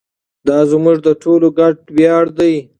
دا زموږ د ټولو ګډ ویاړ دی.